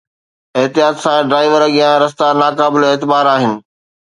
احتياط سان ڊرائيو! اڳيان رستا ناقابل اعتبار آهن.